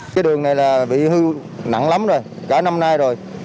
cái đường này là bị hư nặng lắm rồi cả năm nay rồi